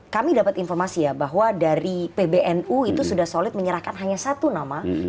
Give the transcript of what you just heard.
kami dapat informasi ya bahwa dari pbnu itu sudah solid menyerahkan hanya satu nama